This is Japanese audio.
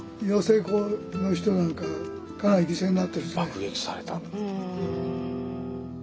爆撃されたんだ。